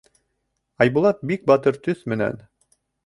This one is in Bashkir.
Айбулат бик батыр төҫ менән: